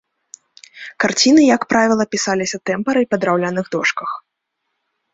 Карціны, як правіла, пісаліся тэмперай па драўляных дошках.